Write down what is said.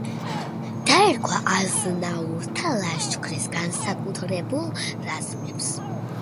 დაერქვა აზნაურთა ლაშქრის განსაკუთრებულ რაზმებს.